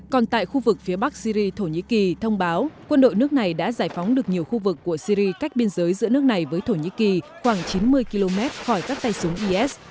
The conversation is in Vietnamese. còn tại khu vực phía bắc syri thổ nhĩ kỳ thông báo quân đội nước này đã giải phóng được nhiều khu vực của syri cách biên giới giữa nước này với thổ nhĩ kỳ khoảng chín mươi km khỏi các tay súng is